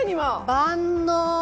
万能！